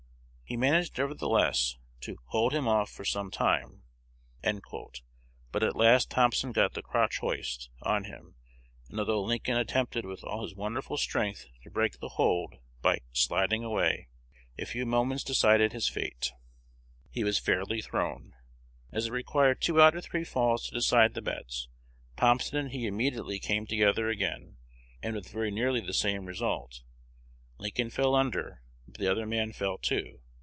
He managed, nevertheless, "to hold him off for some time;" but at last Thompson got the "crotch hoist" on him, and, although Lincoln attempted with all his wonderful strength to break the hold by "sliding" away, a few moments decided his fate: he was fairly thrown. As it required two out of three falls to decide the bets, Thompson and he immediately came together again, and with very nearly the same result. Lincoln fell under, but the other man fell too.